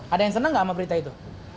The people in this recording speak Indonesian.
ada yang senang gak sama berita itu